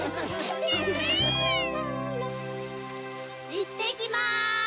いってきます！